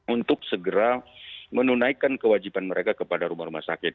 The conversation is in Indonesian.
untuk segera menunaikan kewajiban mereka kepada rumah rumah sakit